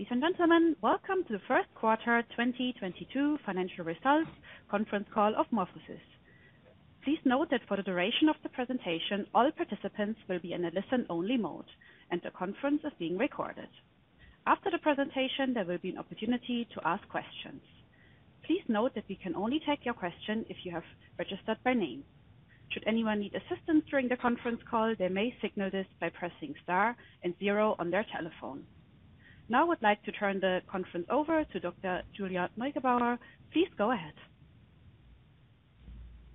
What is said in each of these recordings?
Ladies and gentlemen, welcome to the first quarter 2022 financial results conference call of MorphoSys. Please note that for the duration of the presentation, all participants will be in a listen-only mode, and the conference is being recorded. After the presentation, there will be an opportunity to ask questions. Please note that we can only take your question if you have registered by name. Should anyone need assistance during the conference call, they may signal this by pressing star and zero on their telephone. Now, I would like to turn the conference over to Dr. Julia Neugebauer. Please go ahead.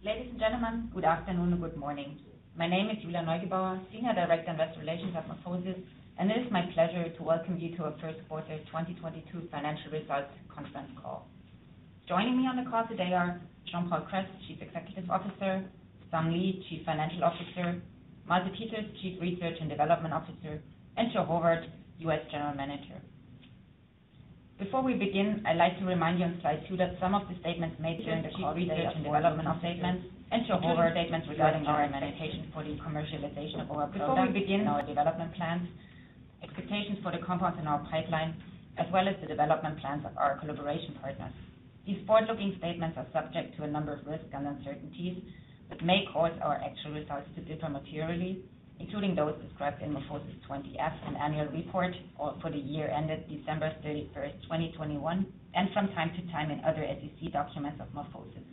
Ladies and gentlemen, good afternoon and good morning. My name is Julia Neugebauer, Senior Director, Investor Relations at MorphoSys, and it is my pleasure to welcome you to our first quarter 2022 financial results conference call. Joining me on the call today are Jean-Paul Kress, Chief Executive Officer, Sung Lee, Chief Financial Officer, Malte Peters, Chief Research and Development Officer, and Joe Horvat, US General Manager. Before we begin, I'd like to remind you on slide two that some of the statements made during the call today are forward-looking statements, including statements regarding our expectations for the commercialization of our products and our development plans, expectations for the compounds in our pipeline, as well as the development plans of our collaboration partners. These forward-looking statements are subject to a number of risks and uncertainties that may cause our actual results to differ materially, including those described in MorphoSys Form 20-F, an annual report for the year ended December 31st, 2021, and from time to time in other SEC documents of MorphoSys.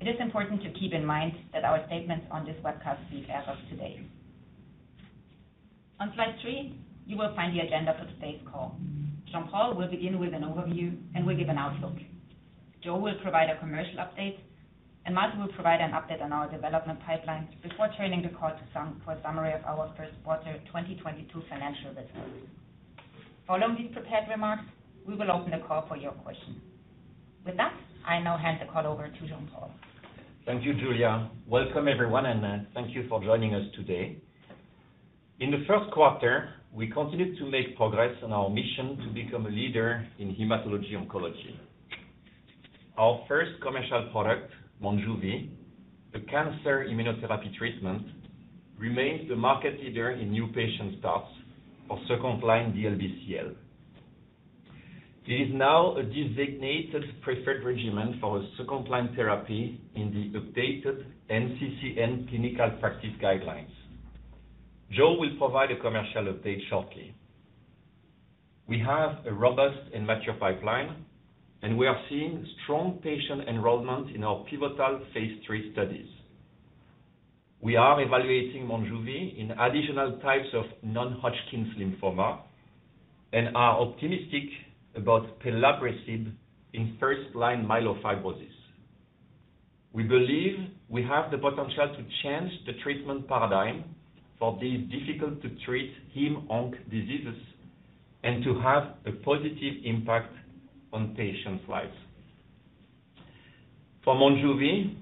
It is important to keep in mind that our statements on this webcast speak as of today. On Slide 3, you will find the agenda for today's call. Jean-Paul will begin with an overview and will give an outlook. Joe will provide a commercial update, and Malte will provide an update on our development pipeline before turning the call to Sung for a summary of our first quarter 2022 financial results. Following these prepared remarks, we will open the call for your questions. With that, I now hand the call over to Jean-Paul. Thank you, Julia. Welcome, everyone, and thank you for joining us today. In the first quarter, we continued to make progress on our mission to become a leader in hematology oncology. Our first commercial product, Monjuvi, a cancer immunotherapy treatment, remains the market leader in new patient starts for second-line DLBCL. It is now a designated preferred regimen for a second-line therapy in the updated NCCN Clinical Practice Guidelines. Joe will provide a commercial update shortly. We have a robust and mature pipeline, and we are seeing strong patient enrollment in our pivotal phase III studies. We are evaluating Monjuvi in additional types of non-Hodgkin's lymphoma and are optimistic about pelabresib in first-line myelofibrosis. We believe we have the potential to change the treatment paradigm for these difficult-to-treat hem/onc diseases and to have a positive impact on patients' lives. For Monjuvi,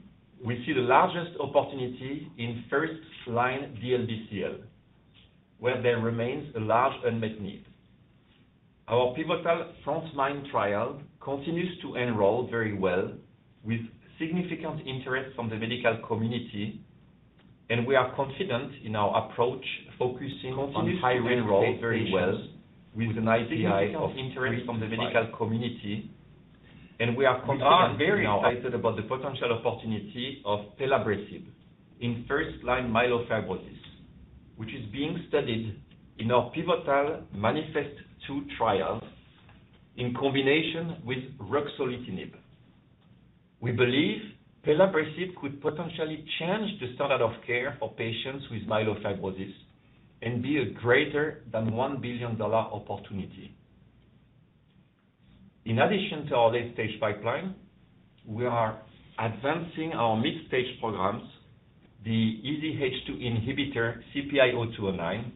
we see the largest opportunity in first-line DLBCL, where there remains a large unmet need. Our pivotal frontMIND trial continues to enroll very well with significant interest from the medical community, and we are confident in our approach, focusing on high-risk patients with an IPI of 3-5. We are very excited about the potential opportunity of pelabresib in first-line myelofibrosis, which is being studied in our pivotal MANIFEST-2 trial in combination with ruxolitinib. We believe pelabresib could potentially change the standard of care for patients with myelofibrosis and be a greater than $1 billion opportunity. In addition to our late-stage pipeline, we are advancing our mid-stage programs, the EZH2 inhibitor CPI-0209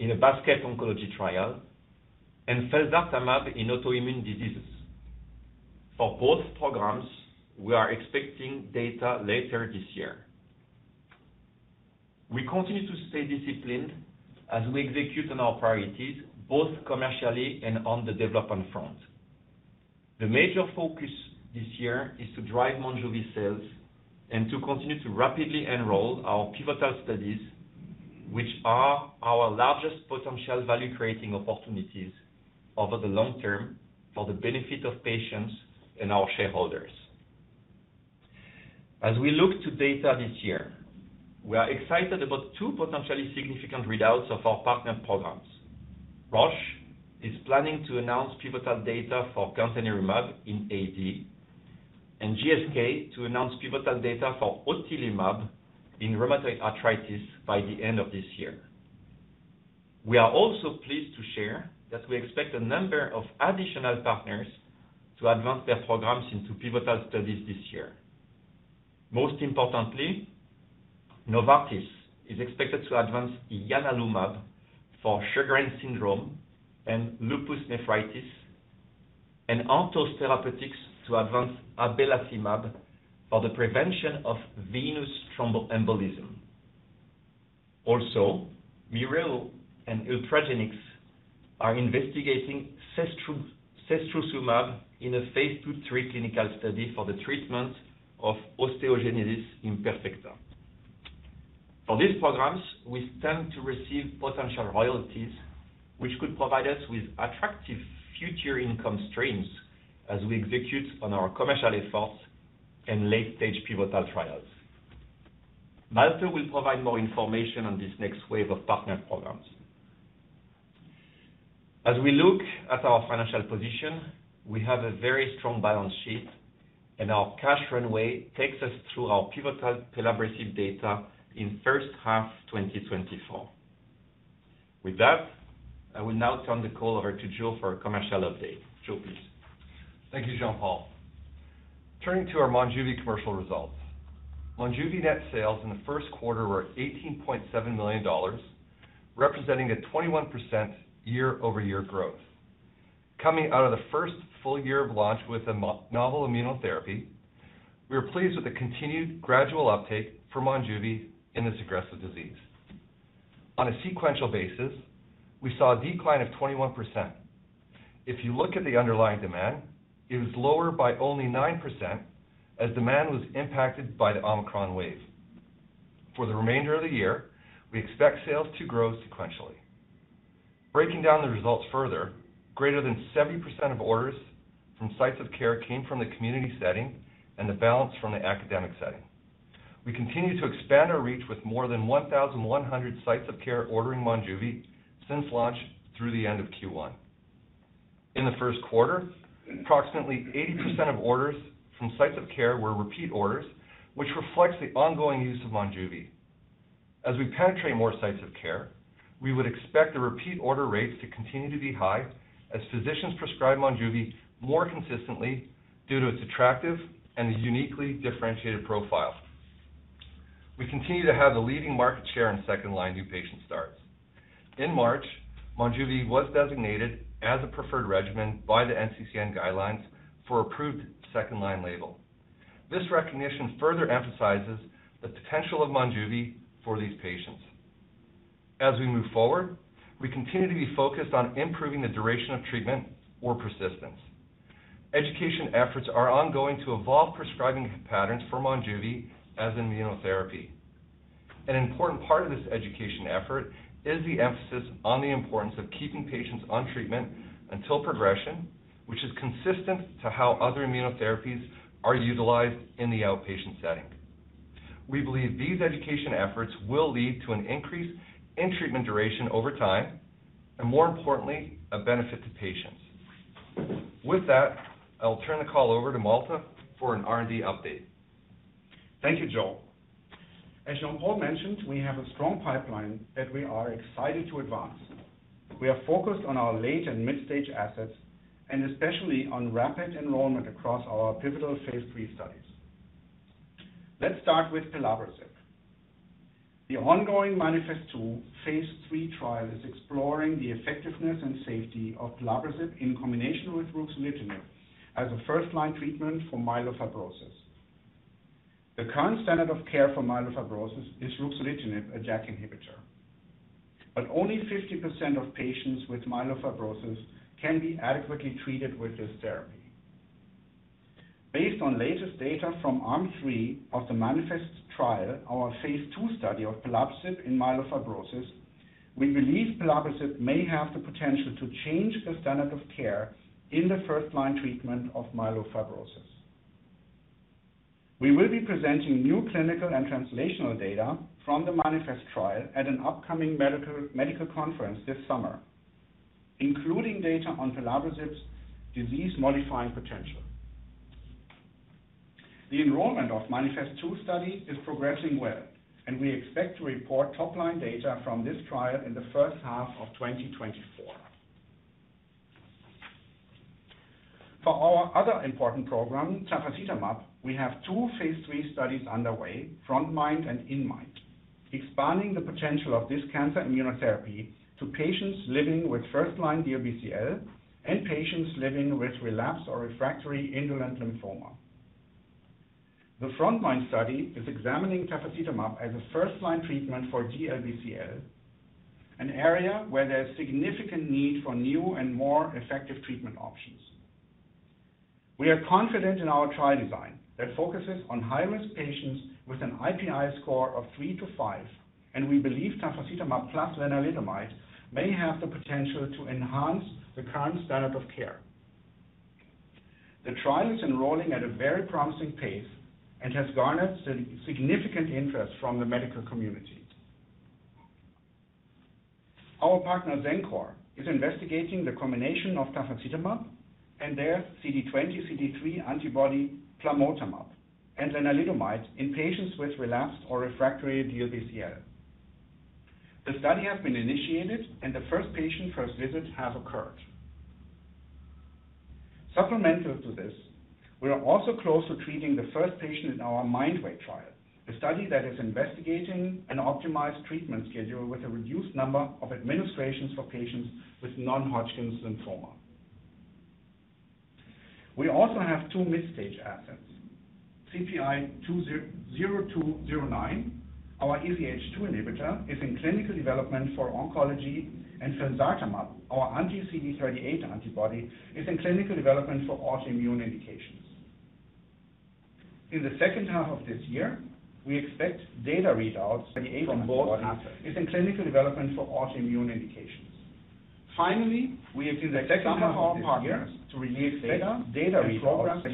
in a basket oncology trial and felzartamab in autoimmune diseases. For both programs, we are expecting data later this year. We continue to stay disciplined as we execute on our priorities, both commercially and on the development front. The major focus this year is to drive Monjuvi sales and to continue to rapidly enroll our pivotal studies, which are our largest potential value-creating opportunities over the long term for the benefit of patients and our shareholders. As we look to data this year, we are excited about two potentially significant readouts of our partner programs. Roche is planning to announce pivotal data for gantenerumab in AD, and GSK to announce pivotal data for otilimab in rheumatoid arthritis by the end of this year. We are also pleased to share that we expect a number of additional partners to advance their programs into pivotal studies this year. Most importantly, Novartis is expected to advance ianalumab for Sjögren's syndrome and lupus nephritis, and Anthos Therapeutics to advance abelacimab for the prevention of venous thromboembolism. Also, Mereo and Ultragenyx are investigating setrusumab in a phase II-III clinical study for the treatment of osteogenesis imperfecta. For these programs, we stand to receive potential royalties, which could provide us with attractive future income streams as we execute on our commercial efforts and late-stage pivotal trials. Malte will provide more information on this next wave of partner programs. As we look at our financial position, we have a very strong balance sheet, and our cash runway takes us through our pivotal pelabresib data in first half 2024. With that, I will now turn the call over to Joe for a commercial update. Joe, please. Thank you, Jean-Paul. Turning to our Monjuvi commercial results. Monjuvi net sales in the first quarter were $18.7 million, representing a 21% year-over-year growth. Coming out of the first full year of launch with a novel immunotherapy, we are pleased with the continued gradual uptake for Monjuvi in this aggressive disease. On a sequential basis, we saw a decline of 21%. If you look at the underlying demand, it was lower by only 9% as demand was impacted by the Omicron wave. For the remainder of the year, we expect sales to grow sequentially. Breaking down the results further, greater than 70% of orders from sites of care came from the community setting, and the balance from the academic setting. We continue to expand our reach with more than 1,100 sites of care ordering Monjuvi since launch through the end of Q1. In the first quarter, approximately 80% of orders from sites of care were repeat orders, which reflects the ongoing use of Monjuvi. As we penetrate more sites of care, we would expect the repeat order rates to continue to be high as physicians prescribe Monjuvi more consistently due to its attractive and uniquely differentiated profile. We continue to have the leading market share in second-line new patient starts. In March, Monjuvi was designated as a preferred regimen by the NCCN guidelines for approved second-line label. This recognition further emphasizes the potential of Monjuvi for these patients. As we move forward, we continue to be focused on improving the duration of treatment or persistence. Education efforts are ongoing to evolve prescribing patterns for Monjuvi as immunotherapy. An important part of this education effort is the emphasis on the importance of keeping patients on treatment until progression, which is consistent to how other immunotherapies are utilized in the outpatient setting. We believe these education efforts will lead to an increase in treatment duration over time, and more importantly, a benefit to patients. With that, I'll turn the call over to Malte for an R&D update. Thank you, Joe. As Jean-Paul mentioned, we have a strong pipeline that we are excited to advance. We are focused on our late and mid-stage assets, and especially on rapid enrollment across our pivotal phase III studies. Let's start with pelabresib. The ongoing MANIFEST-2 phase III trial is exploring the effectiveness and safety of pelabresib in combination with ruxolitinib as a first-line treatment for myelofibrosis. The current standard of care for myelofibrosis is ruxolitinib, a JAK inhibitor. Only 50% of patients with myelofibrosis can be adequately treated with this therapy. Based on latest data from Arm 3 of the MANIFEST trial, our phase II study of pelabresib in myelofibrosis, we believe pelabresib may have the potential to change the standard of care in the first-line treatment of myelofibrosis. We will be presenting new clinical and translational data from the MANIFEST trial at an upcoming medical conference this summer, including data on pelabresib's disease-modifying potential. The enrollment of MANIFEST-2 study is progressing well, and we expect to report top-line data from this trial in the first half of 2024. For our other important program, tafasitamab, we have two phase III studies underway, frontMIND and inMIND, expanding the potential of this cancer immunotherapy to patients living with first-line DLBCL and patients living with relapsed or refractory indolent lymphoma. The frontMIND study is examining tafasitamab as a first-line treatment for DLBCL, an area where there's significant need for new and more effective treatment options. We are confident in our trial design that focuses on high-risk patients with an IPI score of 3-5, and we believe tafasitamab plus lenalidomide may have the potential to enhance the current standard of care. The trial is enrolling at a very promising pace and has garnered significant interest from the medical community. Our partner, Xencor, is investigating the combination of tafasitamab and their CD20/CD3 antibody, plamotamab, and lenalidomide in patients with relapsed or refractory DLBCL. The study has been initiated, and the first patient first visit have occurred. Supplemental to this, we are also close to treating the first patient in our MINDway trial, a study that is investigating an optimized treatment schedule with a reduced number of administrations for patients with non-Hodgkin's lymphoma. We also have two mid-stage assets. CPI-0209, our EZH2 inhibitor, is in clinical development for oncology, and felzartamab, our anti-CD38 antibody, is in clinical development for autoimmune indications. In the second half of this year, we expect data readouts from both assets. Finally, we expect some of our partners to release data and programs.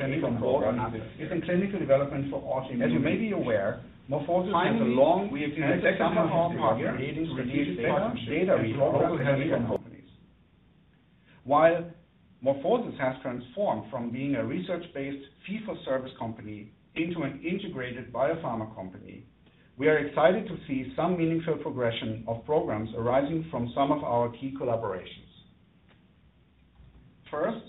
While MorphoSys has transformed from being a research-based fee-for-service company into an integrated biopharma company, we are excited to see some meaningful progression of programs arising from some of our key collaborations. First,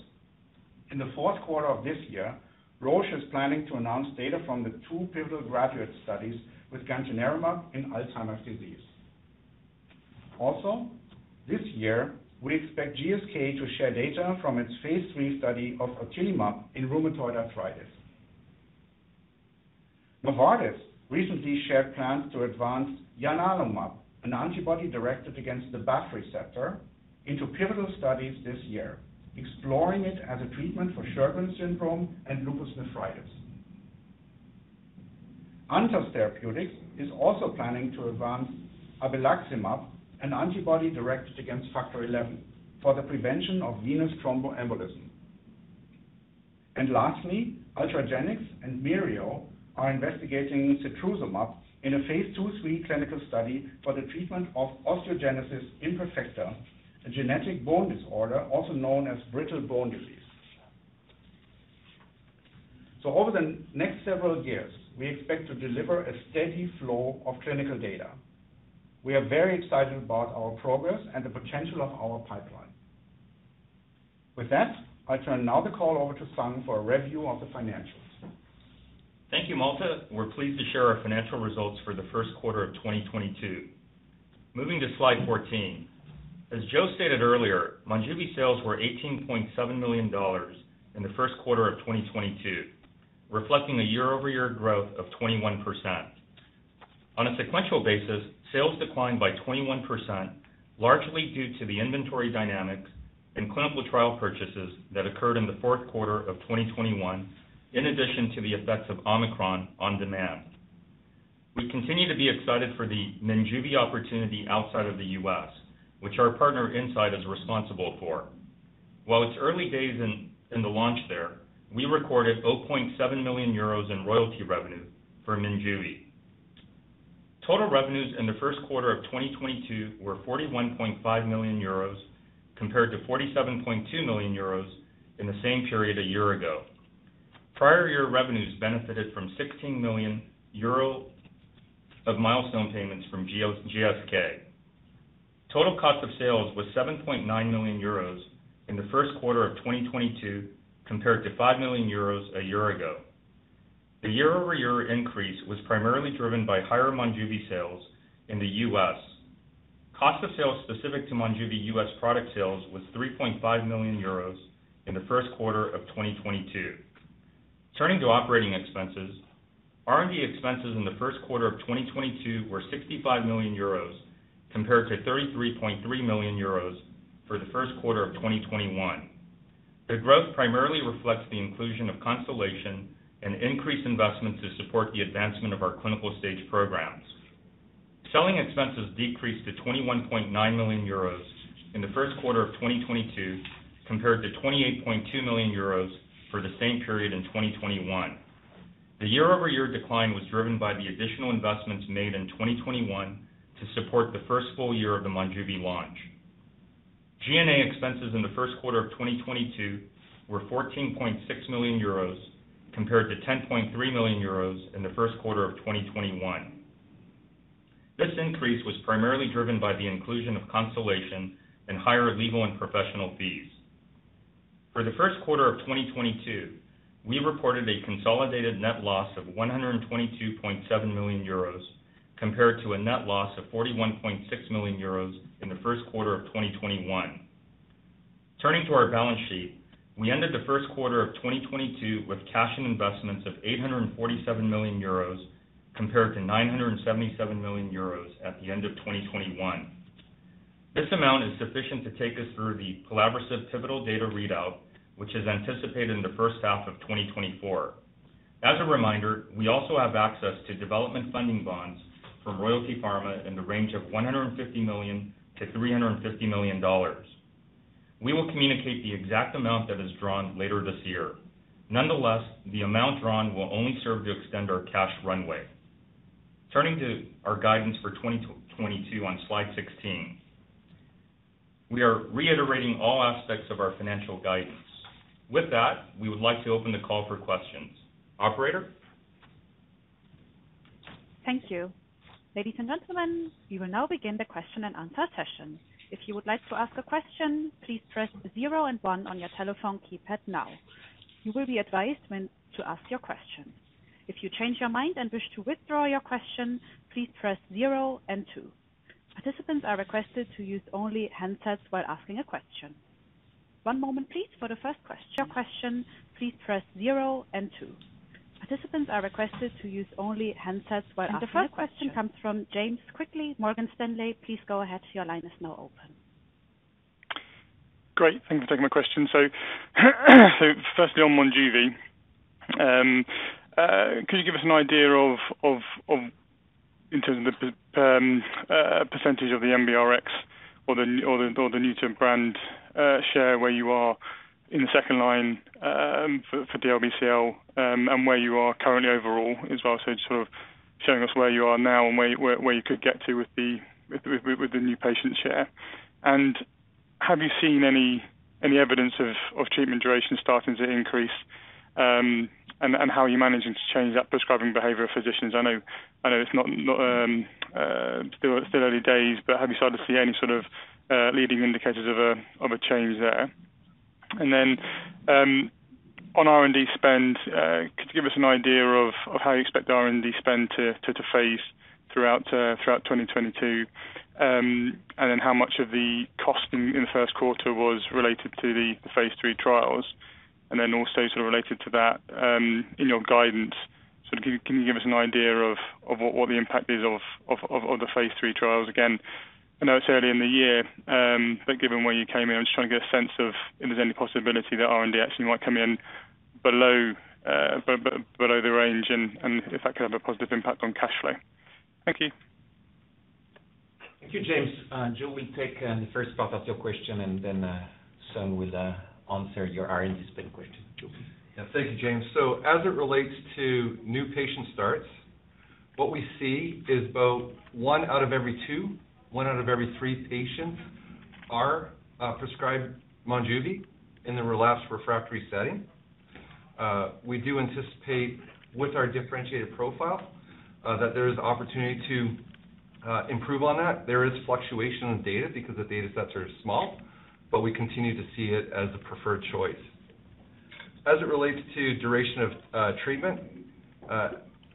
in the fourth quarter of this year, Roche is planning to announce data from the two pivotal GRADUATE studies with gantenerumab in Alzheimer's disease. This year, we expect GSK to share data from its phase III study of otilimab in rheumatoid arthritis. Novartis recently shared plans to advance ianalumab, an antibody directed against the BAFF receptor, into pivotal studies this year, exploring it as a treatment for Sjögren's syndrome and lupus nephritis. Anthos Therapeutics is also planning to advance abelacimab, an antibody directed against Factor XI, for the prevention of venous thromboembolism. Lastly, Ultragenyx and Mereo BioPharma are investigating setrusumab in a phase II/III clinical study for the treatment of osteogenesis imperfecta, a genetic bone disorder also known as brittle bone disease. Over the next several years, we expect to deliver a steady flow of clinical data. We are very excited about our progress and the potential of our pipeline. With that, I now turn the call over to Sung for a review of the financials. Thank you, Malte. We're pleased to share our financial results for the first quarter of 2022. Moving to Slide 14. As Joe stated earlier, Monjuvi sales were $18.7 million in the first quarter of 2022, reflecting a year-over-year growth of 21%. On a sequential basis, sales declined by 21%, largely due to the inventory dynamics and clinical trial purchases that occurred in the fourth quarter of 2021, in addition to the effects of Omicron on demand. We continue to be excited for the Monjuvi opportunity outside of the U.S., which our partner Incyte is responsible for. While it's early days in the launch there, we recorded 0.7 million euros in royalty revenue for Monjuvi. Total revenues in the first quarter of 2022 were 41.5 million euros compared to 47.2 million euros in the same period a year ago. Prior year revenues benefited from 16 million euro of milestone payments from GSK. Total cost of sales was 7.9 million euros in the first quarter of 2022, compared to 5 million euros a year ago. The year-over-year increase was primarily driven by higher Monjuvi sales in the U.S. Cost of sales specific to Monjuvi U.S. product sales was 3.5 million euros in the first quarter of 2022. Turning to operating expenses, R&D expenses in the first quarter of 2022 were 65 million euros, compared to 33.3 million euros for the first quarter of 2021. The growth primarily reflects the inclusion of Constellation and increased investments to support the advancement of our clinical stage programs. Selling expenses decreased to 21.9 million euros in the first quarter of 2022, compared to 28.2 million euros for the same period in 2021. The year-over-year decline was driven by the additional investments made in 2021 to support the first full year of the Monjuvi launch. G&A expenses in the first quarter of 2022 were 14.6 million euros, compared to 10.3 million euros in the first quarter of 2021. This increase was primarily driven by the inclusion of Constellation and higher legal and professional fees. For the first quarter of 2022, we reported a consolidated net loss of 122.7 million euros compared to a net loss of 41.6 million euros in the first quarter of 2021. Turning to our balance sheet, we ended the first quarter of 2022 with cash and investments of 847 million euros compared to 977 million euros at the end of 2021. This amount is sufficient to take us through the pelabresib pivotal data readout, which is anticipated in the first half of 2024. As a reminder, we also have access to development funding bonds from Royalty Pharma in the range of $150 million-$350 million. We will communicate the exact amount that is drawn later this year. Nonetheless, the amount drawn will only serve to extend our cash runway. Turning to our guidance for 2022 on Slide 16, we are reiterating all aspects of our financial guidance. With that, we would like to open the call for questions. Operator? Thank you. Ladies and gentlemen, we will now begin the question and answer session. If you would like to ask a question, please press zero and one on your telephone keypad now. You will be advised when to ask your question. If you change your mind and wish to withdraw your question, please press zero and two. Participants are requested to use only handsets while asking a question. One moment please for the first question. Your question, please press zero and two. Participants are requested to use only handsets while asking a question. The first question comes from James Quigley, Morgan Stanley. Please go ahead. Your line is now open. Great. Thanks for taking my question. Firstly on Monjuvi, could you give us an idea of in terms of the percentage of the NBRx or the new-to-brand share, where you are in the second line for DLBCL, and where you are currently overall as well. Sort of showing us where you are now and where you could get to with the new patient share. And have you seen any evidence of treatment duration starting to increase? And how are you managing to change that prescribing behavior of physicians? I know it's not. Still early days, but have you started to see any sort of leading indicators of a change there? On R&D spend, could you give us an idea of how you expect R&D spend to phase throughout 2022? How much of the cost in the first quarter was related to the phase III trials? Sort of related to that, in your guidance, sort of can you give us an idea of what the impact is of the phase III trials again? I know it's early in the year, but given where you came in, I'm just trying to get a sense of if there's any possibility that R&D actually might come in below the range and if that could have a positive impact on cash flow. Thank you. Thank you, James. Joe will take the first part of your question and then Sung will answer your R&D spend question. Joe. Yeah. Thank you, James. As it relates to new patient starts, what we see is about one out of every two, one out of every three patients are prescribed Monjuvi in the relapsed refractory setting. We do anticipate with our differentiated profile that there is opportunity to improve on that. There is fluctuation of data because the data sets are small, but we continue to see it as a preferred choice. As it relates to duration of treatment,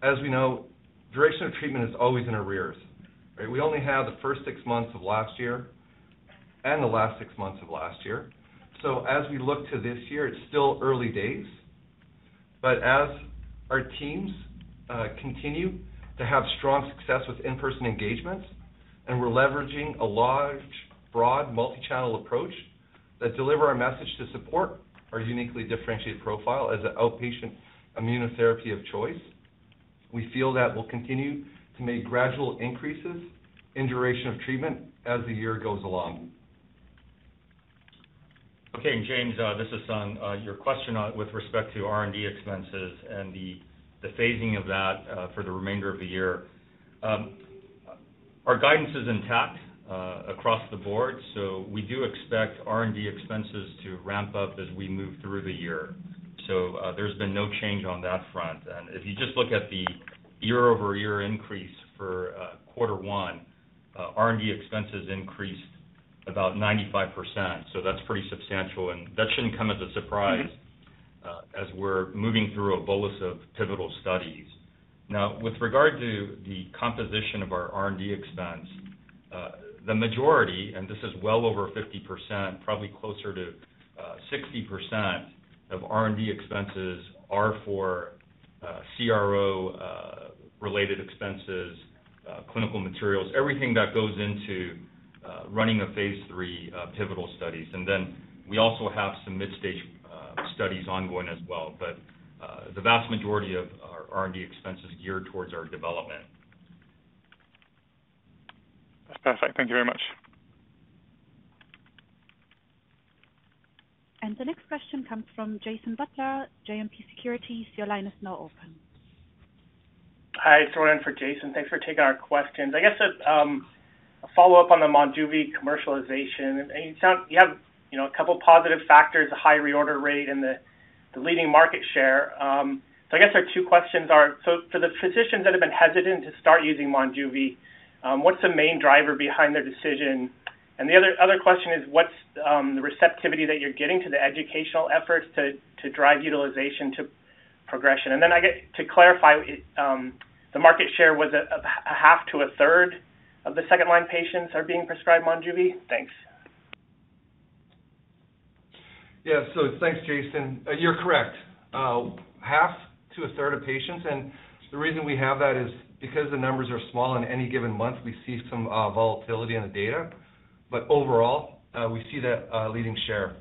as we know, duration of treatment is always in arrears, right? We only have the first six months of last year and the last six months of last year. as we look to this year, it's still early days, but as our teams continue to have strong success with in-person engagements, and we're leveraging a large, broad multi-channel approach that deliver our message to support our uniquely differentiated profile as an outpatient immunotherapy of choice, we feel that we'll continue to make gradual increases in duration of treatment as the year goes along. Okay. James, this is Sung. Your question on with respect to R&D expenses and the phasing of that for the remainder of the year. Our guidance is intact across the board. We do expect R&D expenses to ramp up as we move through the year. There's been no change on that front. If you just look at the year-over-year increase for quarter one, R&D expenses increased about 95%, so that's pretty substantial, and that shouldn't come as a surprise as we're moving through a bolus of pivotal studies. Now, with regard to the composition of our R&D expense, the majority, and this is well over 50%, probably closer to 60% of R&D expenses are for CRO-related expenses, clinical materials, everything that goes into running a phase III pivotal studies. Then we also have some mid-stage studies ongoing as well. The vast majority of our R&D expense is geared towards our development. That's perfect. Thank you very much. The next question comes from Jason Butler, JMP Securities. Your line is now open. Hi, it's Ryan for Jason. Thanks for taking our questions. I guess a follow-up on the Monjuvi commercialization. It sounds like you have, you know, a couple positive factors, a high reorder rate and the leading market share. I guess our two questions are, for the physicians that have been hesitant to start using Monjuvi, what's the main driver behind their decision? The other question is, what's the receptivity that you're getting to the educational efforts to drive utilization to progression? Then I guess to clarify, the market share was a half to a third of the second line patients are being prescribed Monjuvi? Thanks. Yeah. Thanks, Jason. You're correct. Half to a third of patients, and the reason we have that is because the numbers are small in any given month, we see some volatility in the data. But overall, we see that leading share.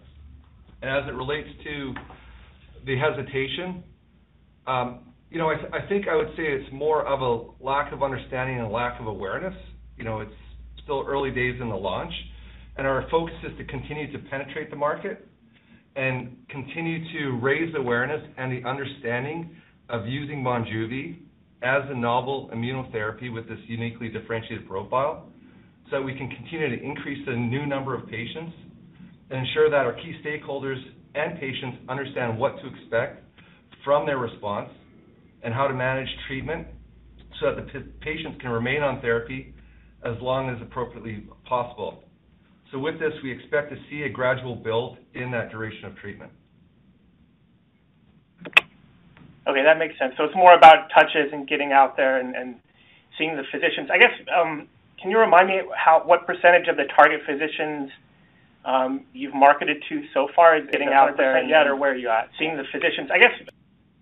As it relates to the hesitation, you know, I think I would say it's more of a lack of understanding and lack of awareness. You know, it's still early days in the launch, and our focus is to continue to penetrate the market and continue to raise awareness and the understanding of using Monjuvi as a novel immunotherapy with this uniquely differentiated profile, so we can continue to increase the new number of patients and ensure that our key stakeholders and patients understand what to expect from their response and how to manage treatment so that the patients can remain on therapy as long as appropriately possible. With this, we expect to see a gradual build in that duration of treatment. Okay, that makes sense. It's more about touches and getting out there and seeing the physicians. I guess, can you remind me what percentage of the target physicians you've marketed to so far is getting out there and 100%. Where are you at seeing the physicians, I guess?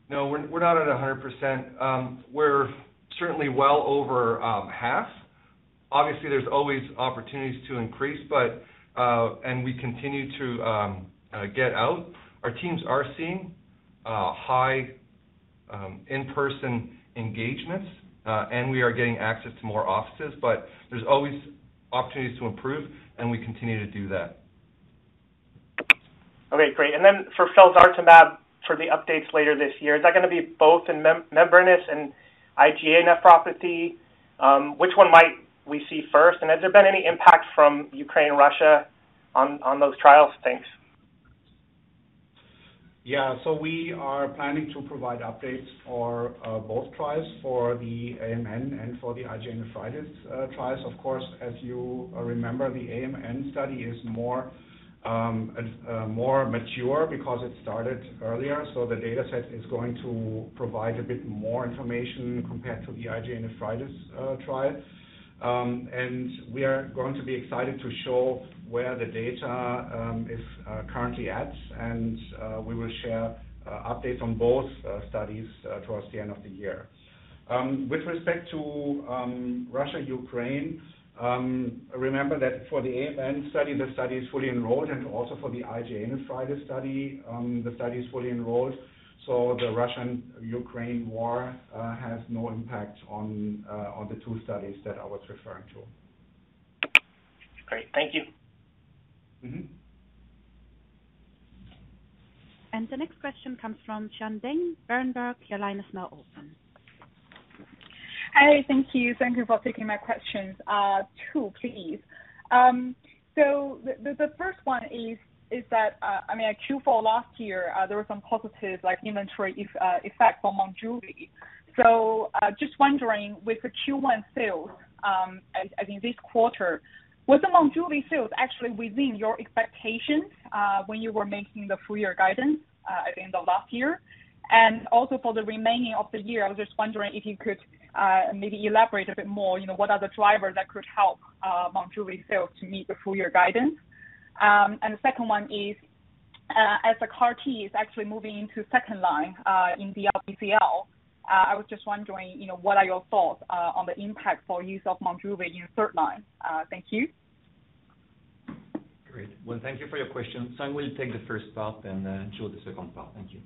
No, we're not at 100%. We're certainly well over half. Obviously, there's always opportunities to increase, but we continue to get out. Our teams are seeing high in-person engagements, and we are getting access to more offices, but there's always opportunities to improve, and we continue to do that. Okay, great. For felzartamab, for the updates later this year, is that gonna be both in membranous and IgA nephropathy? Which one might we see first? Has there been any impact from Ukraine-Russia on those trials? Thanks. Yeah. We are planning to provide updates for both trials for the MN and for the IgA nephropathy trials. Of course, as you remember, the MN study is more mature because it started earlier, so the data set is going to provide a bit more information compared to the IgA nephropathy trial. We are going to be excited to show where the data is currently at, and we will share updates on both studies towards the end of the year. With respect to Russia-Ukraine, remember that for the MN study, the study is fully enrolled, and also for the IgA nephropathy study, the study is fully enrolled, so the Russian-Ukraine war has no impact on the two studies that I was referring to. Great. Thank you. Mm-hmm. The next question comes from Xian Deng, Berenberg. Your line is now open. Hi. Thank you for taking my questions. Two please. The first one is that I mean, at Q4 last year, there were some positive like inventory effect for Monjuvi. Just wondering, with the Q1 sales, I mean this quarter, was the Monjuvi sales actually within your expectations, when you were making the full year guidance, at the end of last year? And also for the remaining of the year, I was just wondering if you could maybe elaborate a bit more, you know, what are the drivers that could help Monjuvi sales to meet the full year guidance? The second one is, as the CAR T is actually moving into second line in DLBCL, I was just wondering, you know, what are your thoughts on the impact for use of Monjuvi in third line? Thank you. Great. Well, thank you for your question. Sung will take the first part and then Joe the second part. Thank you.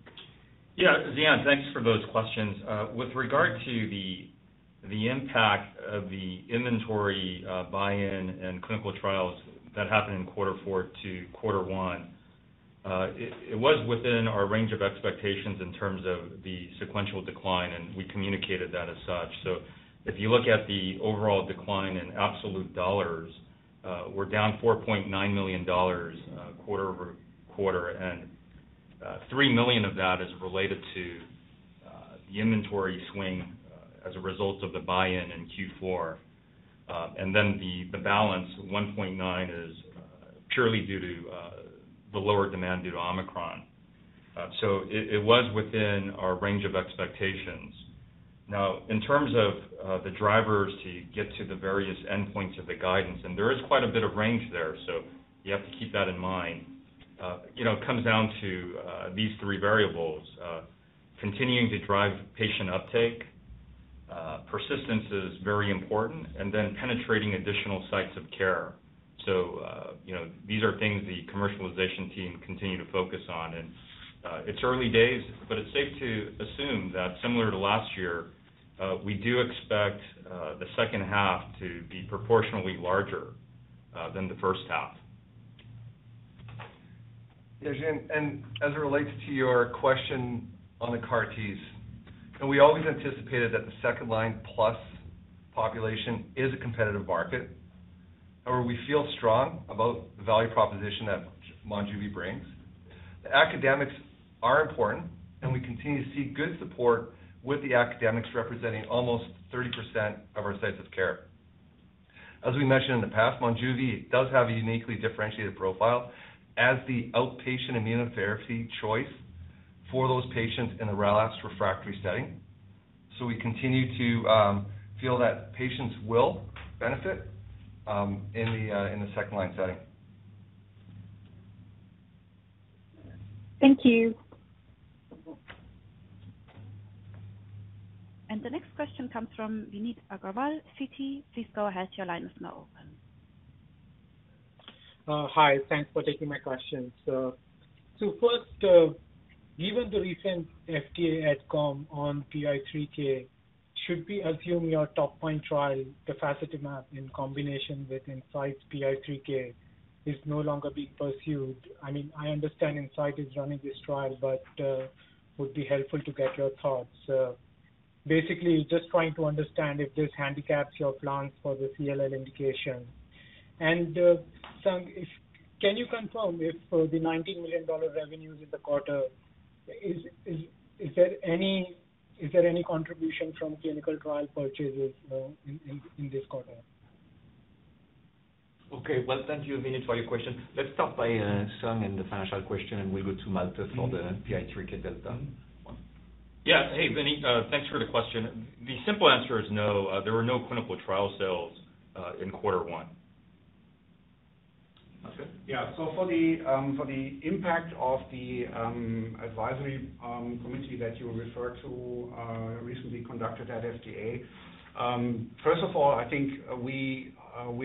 Yeah. Xian, thanks for those questions. With regard to the impact of the inventory buy-in and clinical trials that happened in quarter four to quarter one, it was within our range of expectations in terms of the sequential decline, and we communicated that as such. If you look at the overall decline in absolute dollars, we're down $4.9 million quarter over quarter, and $3 million of that is related to the inventory swing as a result of the buy-in in Q4. And then the balance, $1.9 million, is purely due to the lower demand due to Omicron. It was within our range of expectations. Now, in terms of the drivers to get to the various endpoints of the guidance, and there is quite a bit of range there, so you have to keep that in mind. You know, it comes down to these three variables: continuing to drive patient uptake, persistence is very important, and then penetrating additional sites of care. So, you know, these are things the commercialization team continue to focus on. It's early days, but it's safe to assume that similar to last year, we do expect the second half to be proportionally larger than the first half. Yeah, Xian, and as it relates to your question on the CAR Ts, and we always anticipated that the second line plus population is a competitive market. However, we feel strong about the value proposition that Monjuvi brings. The academics are important, and we continue to see good support with the academics representing almost 30% of our sites of care. As we mentioned in the past, Monjuvi does have a uniquely differentiated profile as the outpatient immunotherapy choice for those patients in a relapsed refractory setting. We continue to feel that patients will benefit in the second line setting. Thank you. The next question comes from Vineet Agrawal, Citi. Please go ahead. Your line is now open. Hi. Thanks for taking my questions. So first, given the recent FDA AdCom on PI3K, should we assume your top line trial, Tafasitamab in combination with Incyte PI3K, is no longer being pursued? I mean, I understand Incyte is running this trial, but would be helpful to get your thoughts. Basically just trying to understand if this handicaps your plans for the CLL indication. Sung, can you confirm if the $19 million revenues in the quarter, is there any contribution from clinical trial purchases in this quarter? Okay. Well, thank you, Vineet, for your question. Let's start by Sung and the financial question, and we'll go to Malte for the PI3K delta one. Yeah. Hey, Vineet. Thanks for the question. The simple answer is no. There were no clinical trial sales in quarter one. Yeah. For the impact of the advisory committee that you referred to recently conducted at FDA. First of all, I think we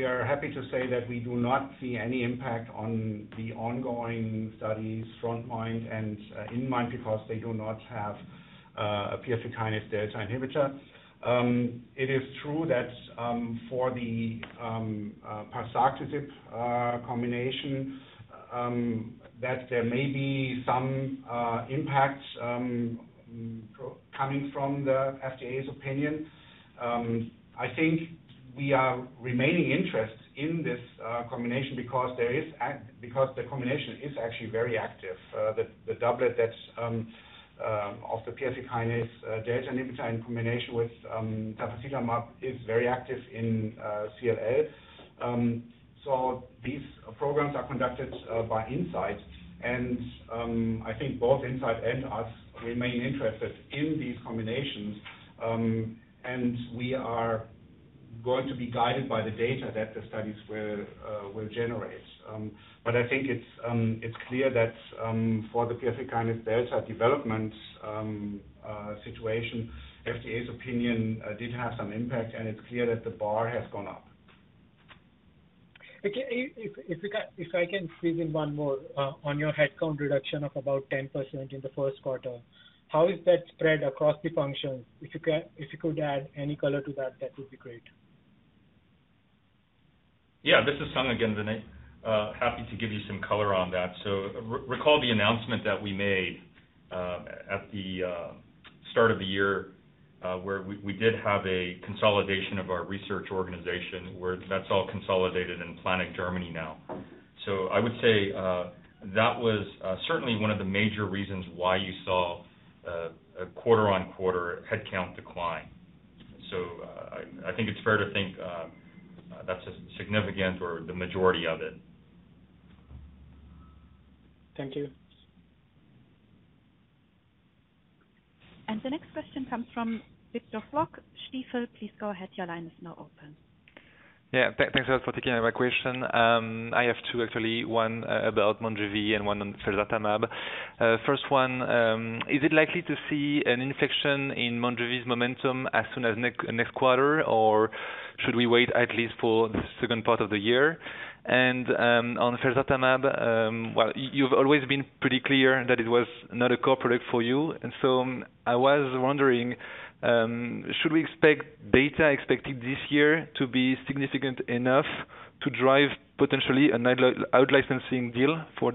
are happy to say that we do not see any impact on the ongoing studies, frontMIND and inMIND, because they do not have a PI3K kinase inhibitor. It is true that for the Parsaclisib combination that there may be some impacts coming from the FDA's opinion. I think we are remaining interested in this combination because the combination is actually very active. The doublet that's of the PSC kinase delta inhibitor in combination with tafasitamab is very active in CLL. These programs are conducted by Incyte and I think both Incyte and us remain interested in these combinations. We are going to be guided by the data that the studies will generate. I think it's clear that for the PSC kinase delta development situation, FDA's opinion did have some impact, and it's clear that the bar has gone up. Okay. If I can squeeze in one more on your headcount reduction of about 10% in the first quarter. How is that spread across the functions? If you could add any color to that would be great. Yeah. This is Sung again, Vineet. Happy to give you some color on that. Recall the announcement that we made at the start of the year where we did have a consolidation of our research organization, where that's all consolidated in Planegg, Germany now. I would say that was certainly one of the major reasons why you saw a quarter-on-quarter headcount decline. I think it's fair to think that's significant or the majority of it. Thank you. The next question comes from Victor Floc'h, Stifel. Please go ahead. Your line is now open. Yeah. Thanks a lot for taking my question. I have two, actually. One about Monjuvi and one on felzartamab. First one, is it likely to see an inflection in Monjuvi's momentum as soon as next quarter, or should we wait at least for the second part of the year? On felzartamab, well, you've always been pretty clear that it was not a core product for you. I was wondering, should we expect data expected this year to be significant enough to drive potentially an out licensing deal for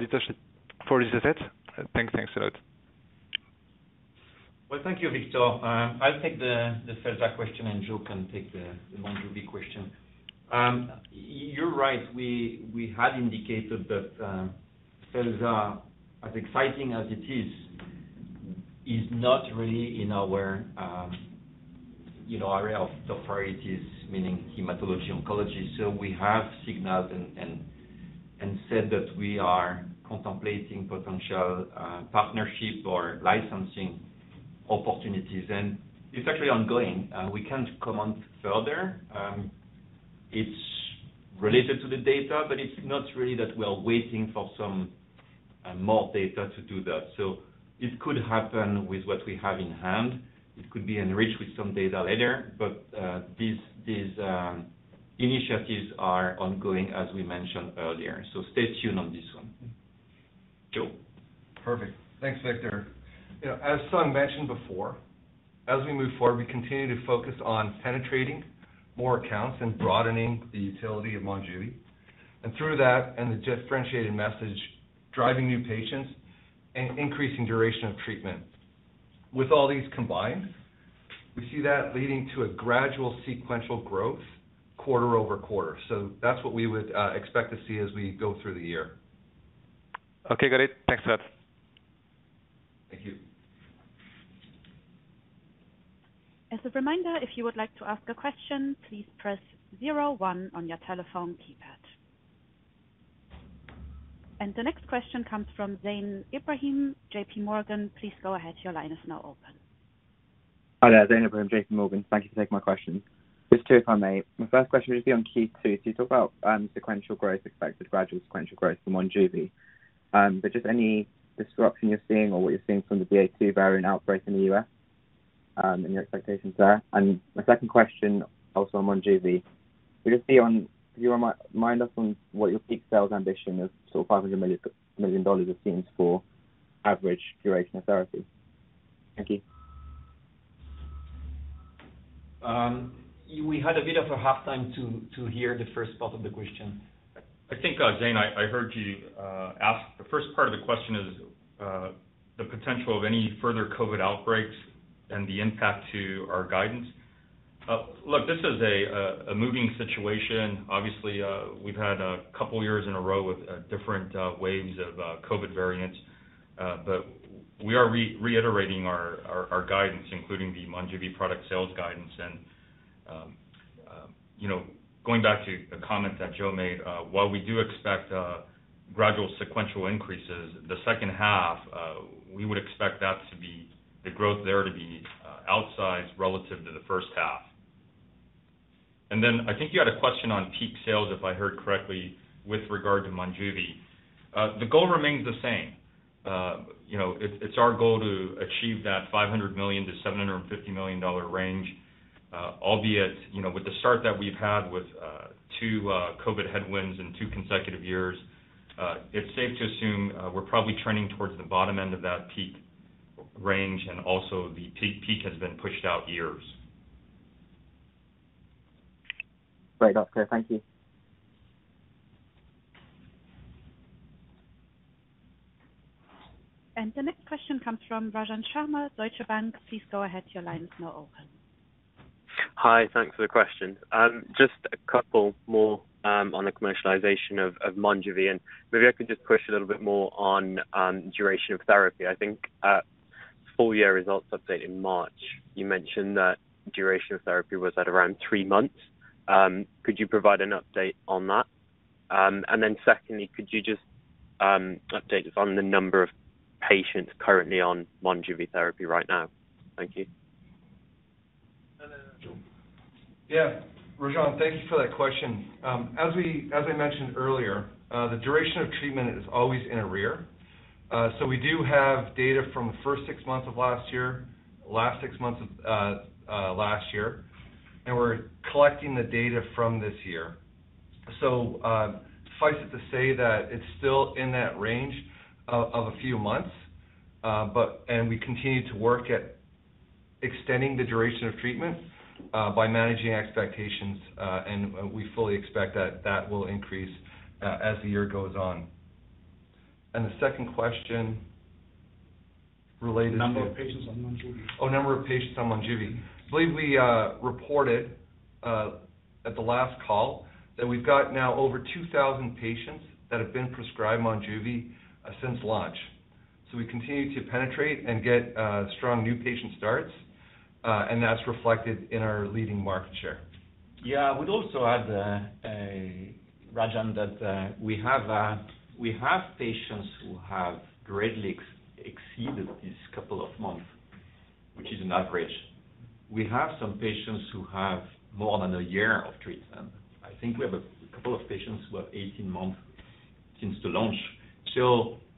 Well, thank you, Victor. I'll take the felzartamab question, and Joe can take the Monjuvi question. You're right. We had indicated that felzartamab, as exciting as it is not really in our, you know, area of expertise, meaning hematology, oncology. We have signaled and said that we are contemplating potential partnership or licensing opportunities. And it's actually ongoing. We can't comment further. It's related to the data, but it's not really that we are waiting for some more data to do that. It could happen with what we have in hand. It could be enriched with some data later. These initiatives are ongoing, as we mentioned earlier. Stay tuned on this one. Joe. Perfect. Thanks, Victor. You know, as Sung mentioned before, as we move forward, we continue to focus on penetrating more accounts and broadening the utility of Monjuvi. Through that and the differentiated message, driving new patients and increasing duration of treatment. With all these combined, we see that leading to a gradual sequential growth quarter-over-quarter. That's what we would expect to see as we go through the year. Okay. Got it. Thanks a lot. Thank you. As a reminder, if you would like to ask a question, please press zero one on your telephone keypad. The next question comes from Zain Ebrahim, J.P. Morgan. Please go ahead. Your line is now open. Hi there, Zain Ebrahim, J.P. Morgan. Thank you for taking my question. Just two, if I may. My first question is on Q2. You talk about sequential growth expected, gradual sequential growth from Monjuvi. But just any disruption you're seeing or what you're seeing from the BA.2 variant outbreak in the U.S., and your expectations there. My second question also on Monjuvi. Could you remind us on what your peak sales ambition is, sort of $500 million, it seems for average duration of therapy. Thank you. We had a bit of a hard time to hear the first part of the question. I think, Zane, I heard you ask. The first part of the question is, the potential of any further COVID outbreaks and the impact to our guidance. Look, this is a moving situation. Obviously, we've had a couple of years in a row with different waves of COVID variants. But we are reiterating our guidance, including the Monjuvi product sales guidance. You know, going back to a comment that Joe made, while we do expect gradual sequential increases, the second half, we would expect the growth there to be outsized relative to the first half. I think you had a question on peak sales, if I heard correctly, with regard to Monjuvi. The goal remains the same. You know, it's our goal to achieve that $500 million-$750 million range, albeit, you know, with the start that we've had with two COVID headwinds in two consecutive years, it's safe to assume we're probably trending towards the bottom end of that peak range and also the peak has been pushed out years. Great, doctor. Thank you. The next question comes from Rajan Sharma, Deutsche Bank. Please go ahead. Your line is now open. Hi. Thanks for the question. Just a couple more on the commercialization of Monjuvi, and maybe I can just push a little bit more on duration of therapy. I think at full year results update in March, you mentioned that duration of therapy was at around three months. Could you provide an update on that? And then secondly, could you just update us on the number of patients currently on Monjuvi therapy right now? Thank you. Yeah. Rajan, thank you for that question. As I mentioned earlier, the duration of treatment is always in arrears. We do have data from the first six months of last year, and we're collecting the data from this year. Suffice it to say that it's still in that range of a few months, but we continue to work at extending the duration of treatment by managing expectations, and we fully expect that will increase as the year goes on. The second question related to- Number of patients on Monjuvi. Number of patients on Monjuvi. I believe we reported at the last call that we've got now over 2,000 patients that have been prescribed Monjuvi since launch. We continue to penetrate and get strong new patient starts, and that's reflected in our leading market share. Yeah. I would also add, Rajan, that we have patients who have greatly exceeded these couple of months, which is an average. We have some patients who have more than a year of treatment. I think we have a couple of patients who have 18 months since the launch.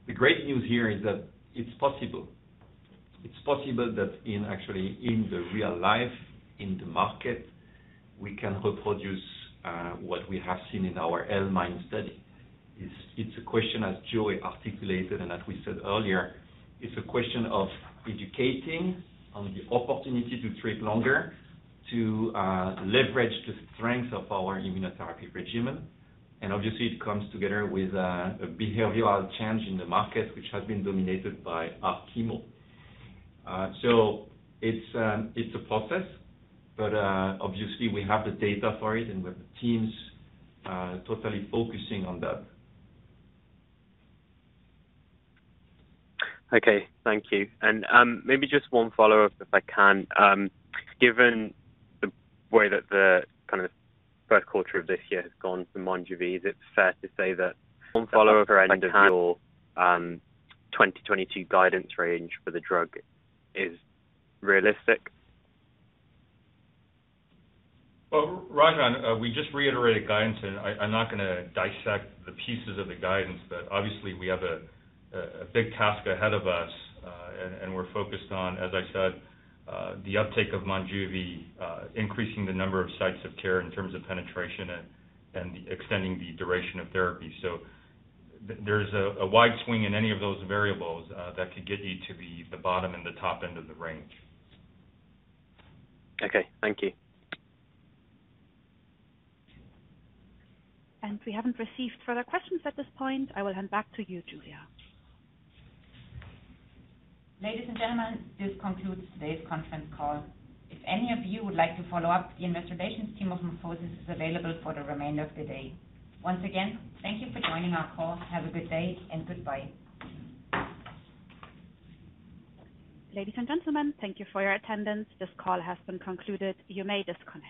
The great news here is that it's possible. It's possible that in actually in the real life, in the market, we can reproduce what we have seen in our L-MIND study. It's a question, as Joe articulated and as we said earlier, it's a question of educating on the opportunity to treat longer, to leverage the strength of our immunotherapy regimen. Obviously, it comes together with a behavioral change in the market, which has been dominated by our chemo. It's a process, but obviously we have the data for it and with teams totally focusing on that. Okay. Thank you. Maybe just one follow-up if I can. Given the way that the kind of first quarter of this year has gone for Monjuvi, is it fair to say that you're at the low end of your 2022 guidance range for the drug is realistic? Well, Rajan, we just reiterated guidance, and I'm not gonna dissect the pieces of the guidance, but obviously we have a big task ahead of us, and we're focused on, as I said, the uptake of Monjuvi, increasing the number of sites of care in terms of penetration and extending the duration of therapy. There's a wide swing in any of those variables that could get you to the bottom and the top end of the range. Okay. Thank you. We haven't received further questions at this point. I will hand back to you, Julia. Ladies and gentlemen, this concludes today's conference call. If any of you would like to follow up, the investor relations team of MorphoSys is available for the remainder of the day. Once again, thank you for joining our call. Have a good day and goodbye. Ladies and gentlemen, thank you for your attendance. This call has been concluded. You may disconnect.